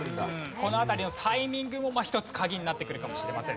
この辺りのタイミングも一つ鍵になってくるかもしれませんね。